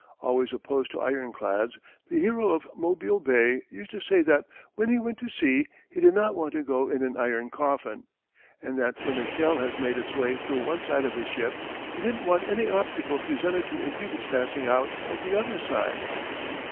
Always opposed to ironclads, the hero of Mobile Bay used to say that when he went to sea he did not want to go in an iron coffin, and that when a shell had made its way through one side of his ship he didn't want any obstacle presented to impede its passing out of the other side. [Illustration: © U. & U. _Launching a Hydroaëroplane.